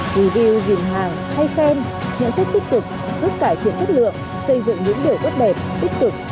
video dìm hàng hay fan nhận xét tích cực giúp cải thiện chất lượng xây dựng những điều tốt đẹp tích cực